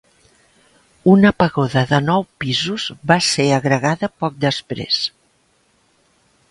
Una pagoda de nou pisos va ser agregada poc després.